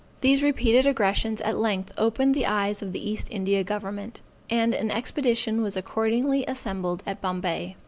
_] These repeated aggressions at length opened the eyes of the East India Government, and an expedition was accordingly assembled at Bombay.